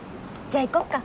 じゃあ行こっか。